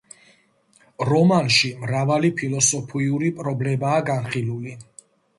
რომანში მრავალი ფილოსოფიური პრობლემაა განხილული.